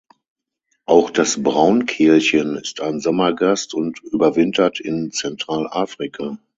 Auch das Braunkehlchen ist ein Sommergast und überwintert in Zentralafrika.